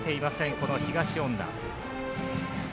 この東恩納。